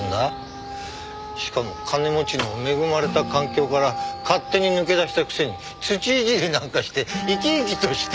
しかも金持ちの恵まれた環境から勝手に抜け出したくせに土いじりなんかして生き生きとして。